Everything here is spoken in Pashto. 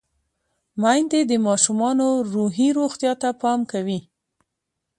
میندې د ماشومانو روحي روغتیا ته پام کوي۔